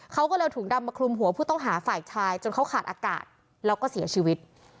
เขาก็เลยเอาถุงดำมาคลุมหัวผู้ต้องหาฝ่ายชายจนเขาขาดอากาศแล้วก็เสียชีวิต